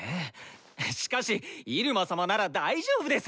しかし入間様なら大丈夫です！